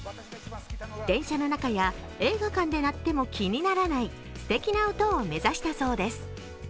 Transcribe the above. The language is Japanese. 電車の中や映画館で鳴っても気にならないすてきな音を目指したそうです。